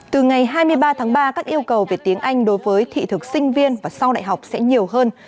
từ ngày hai mươi ba tháng ba các yêu cầu về tiếng anh đối với thị thực sinh viên và sau đại học sẽ nhiều hơn